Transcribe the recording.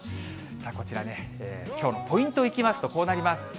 こちらね、きょうのポイントいきますと、こうなります。